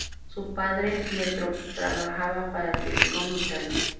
Su padre, Pietro, trabajaba para Telecom Italia.